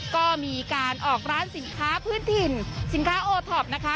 ก็มีการออกร้านสินค้าพื้นถิ่นสินค้าโอท็อปนะคะ